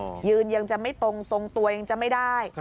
ยืนยังจะไม่ตรงทรงตัวยังจะไม่ได้